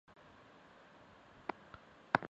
曾在托勒密五世宫廷中担任私人秘书。